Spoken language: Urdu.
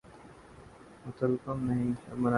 متکلم نہیں، اب مناظر پیدا ہوتے ہیں۔